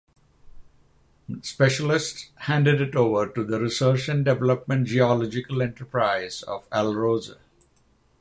Specialists handed it over to the Research and Development Geological Enterprise of Alrosa.